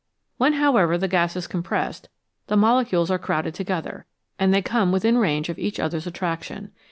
When, however, the gas is compressed, the mole cules are crowded together, and they come within range of each other's attraction.